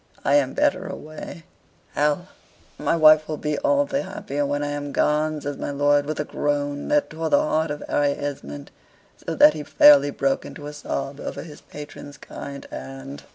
I am better away, Hal my wife will be all the happier when I am gone," says my lord, with a groan, that tore the heart of Harry Esmond, so that he fairly broke into a sob over his patron's kind hand.